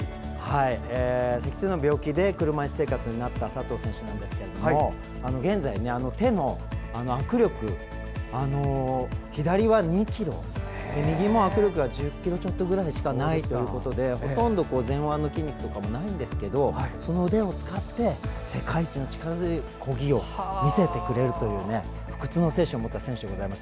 脊髄の病気で車いす生活になった佐藤選手ですが現在、手の握力が左は２ｋｇ右も握力が１０ｋｇちょっとしかないということでほとんど前腕の筋肉とかもないんですけどその腕を使って世界一の力強いこぎを見せてくれるという不屈の精神を持った選手です。